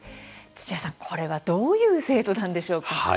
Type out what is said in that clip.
土屋さん、これはどういう制度なんでしょうか？